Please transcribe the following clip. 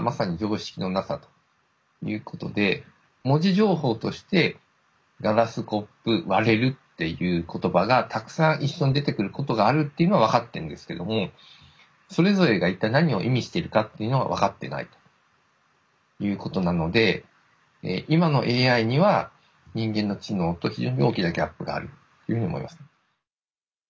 文字情報としてガラスコップ割れるっていう言葉がたくさん一緒に出てくることがあるっていうのは分かってんですけどもそれぞれが一体何を意味しているかっていうのは分かってないということなので今のＡＩには人間の知能と非常に大きなギャップがあるというふうに思いますね。